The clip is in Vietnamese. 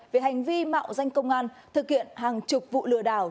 về hành vi mạo danh công an thực hiện hàng chục vụ lừa đảo